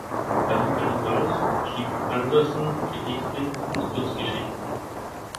Darüber hinaus schrieb Andersen Gedichte und Kurzgeschichten.